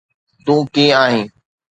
تون ڪيئن آهين؟